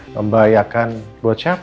membahayakan buat siapa